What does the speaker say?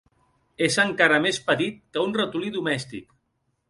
És encara més petit que un ratolí domèstic.